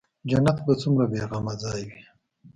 جنت به څومره بې غمه ځاى وي.